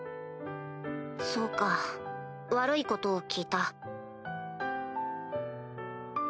そうか悪いことを聞いた。